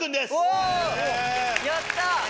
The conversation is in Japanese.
やった！